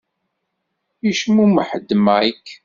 Yecmumeḥ-d Mike.